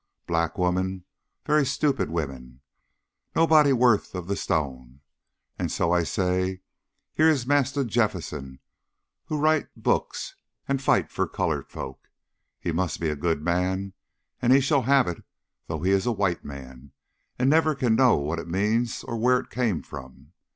Black woman very stupid woman. Nobody worthy of the stone. And so I say, Here is Massa Jephson who write books and fight for coloured folk he must be good man, and he shall have it though he is white man, and nebber can know what it mean or where it came from."